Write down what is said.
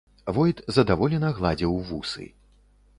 Войт задаволена гладзіў вусы.